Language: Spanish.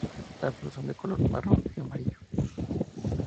Las flores son de color marrón y amarillo.